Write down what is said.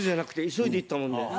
急いで行ったもんで。